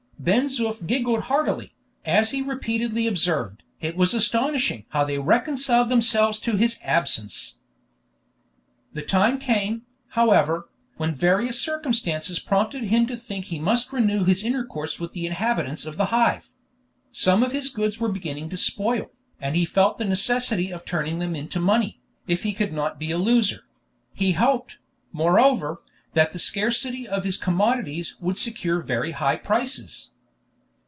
Ben Zoof giggled heartily, as he repeatedly observed "it was astonishing how they reconciled themselves to his absence." The time came, however, when various circumstances prompted him to think he must renew his intercourse with the inhabitants of the Hive. Some of his goods were beginning to spoil, and he felt the necessity of turning them into money, if he would not be a loser; he hoped, moreover, that the scarcity of his commodities would secure very high prices.